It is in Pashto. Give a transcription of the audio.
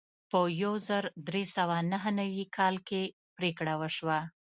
په یو زر درې سوه نهه نوي کال کې پریکړه وشوه.